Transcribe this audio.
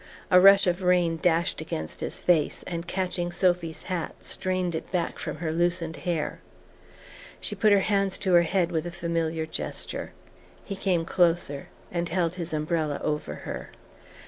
A rush of rain dashed against his face, and, catching Sophy's hat, strained it back from her loosened hair. She put her hands to her head with a familiar gesture...He came closer and held his umbrella over her...